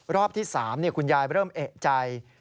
รอบที่๓คุณยายเริ่มเอกใจ